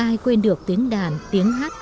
ai quên được tiếng đàn tiếng hát